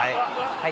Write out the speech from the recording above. はい